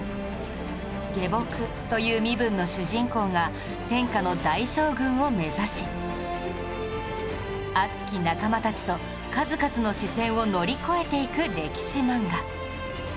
下僕という身分の主人公が天下の大将軍を目指し熱き仲間たちと数々の死線を乗り越えていく歴史漫画